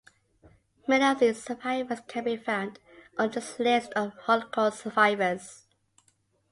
Many of these survivors can be found on this List of Holocaust survivors.